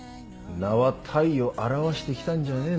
名は体を表してきたんじゃねえの？